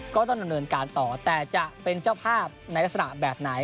ก็ต้องดำเนินการต่อแต่จะเป็นเจ้าภาพในลักษณะแบบไหน